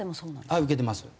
はい受けてます。